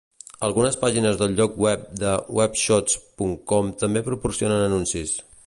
Algunes pàgines del lloc web de webshots punt com també proporcionen anuncis.